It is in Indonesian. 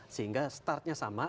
sehingga startnya sama